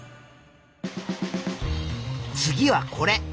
次はこれ。